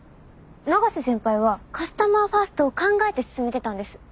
永瀬先輩はカスタマーファーストを考えて勧めてたんです。